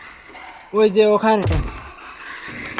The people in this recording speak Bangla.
ওই যে ওখানে!